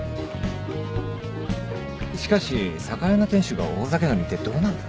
しかし酒屋の店主が大酒飲みってどうなんだ？